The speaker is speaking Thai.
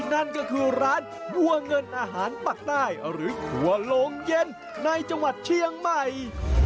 นั่นก็คือร้านวัวเงินอาหารปักใต้หรือครัวโรงเย็นในจังหวัดเชียงใหม่